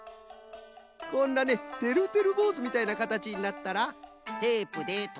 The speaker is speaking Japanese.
こんなねてるてるぼうずみたいなかたちになったらテープでとめる。